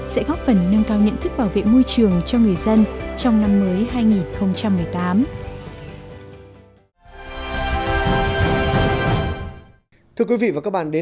sẽ góp phần nâng cao nhận thức bảo vệ môi trường cho người dân trong năm mới hai nghìn một mươi tám